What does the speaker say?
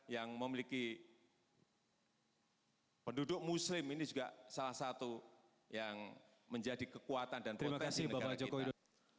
yang memiliki penduduk muslim ini juga salah satu yang menjadi kekuatan dan potensi negara kita